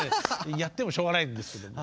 やってもしょうがないんですけど。